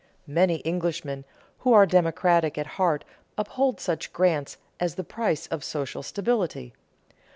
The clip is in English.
Many Englishmen who are democratic at heart uphold such grants as the price of social stability.